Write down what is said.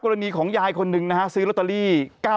กรณีของยายคนหนึ่งซื้อร็อกเตอรี่๙๕